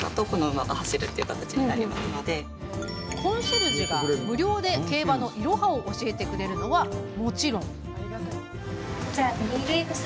コンシェルジュが無料で競馬のいろはを教えてくれるのはもちろん。